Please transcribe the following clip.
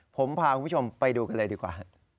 ผมพาคุณผู้ชมไปดูกันเลยดีกว่า